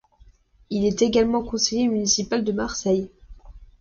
Il est également conseiller municipal de Marseille.